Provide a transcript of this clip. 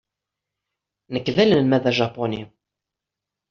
Nekk d anelmad ajapuni.